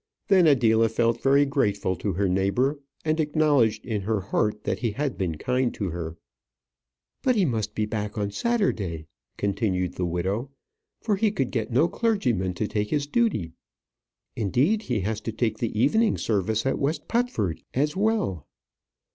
Then Adela felt very grateful to her neighbour, and acknowledged in her heart that he had been kind to her. "But he must be back on Saturday," continued the widow, "for he could get no clergyman to take his duty. Indeed, he has to take the evening service at West Putford as well."